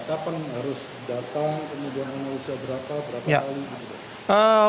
dapan harus datang kemudian usia berapa berapa kali